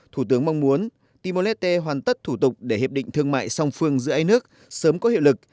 thủ tướng mong muốn timor leste hoàn tất thủ tục để hiệp định thương mại song phương giữa hai nước sớm có hiệu lực